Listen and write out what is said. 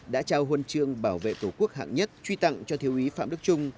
đã trao huân chương bảo vệ tổ quốc hạng nhất truy tặng cho thiếu úy phạm đức trung